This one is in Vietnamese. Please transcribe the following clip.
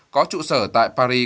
có trụ sở tại paris